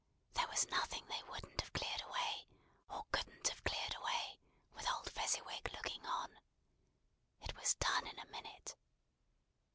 There was nothing they wouldn't have cleared away, or couldn't have cleared away, with old Fezziwig looking on. It was done in a minute.